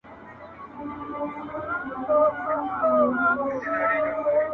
o اول مړانه په سيالي وه، اوس سپيتانه په سيالي ده!